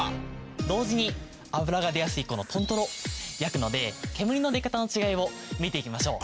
同時に脂が出やすいこの豚トロを焼くので煙の出方の違いを見ていきましょう。